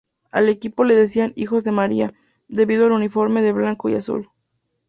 Al equipo le decían "Hijos de María", debido al uniforme de blanco y azul.